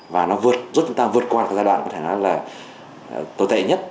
và nó giúp chúng ta vượt qua cái giai đoạn có thể nói là tồi tệ nhất